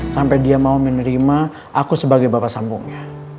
sampai dia mau menerima aku sebagai bapak sambungnya